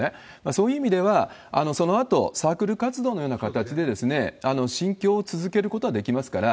そういう意味では、そのあと、サークル活動のような形で信教を続けることはできますから。